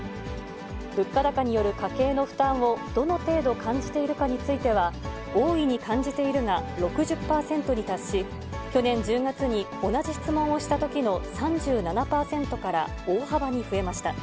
物価高による家計の負担をどの程度感じているかについては、大いに感じているが６０％に達し、去年１０月に同じ質問をしたときの３７％から大幅に増えました。